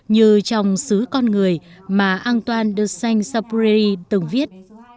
như trong sứ con người mà antoine de saint sapri từng viết